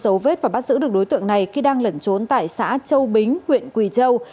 giấu vết và bắt giữ được đối tượng này khi đang lẩn trốn tại xã châu bính huyện quỳ châu